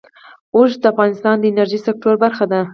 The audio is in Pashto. اوښ د افغانستان د انرژۍ سکتور برخه ده.